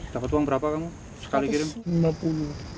dapat uang berapa kamu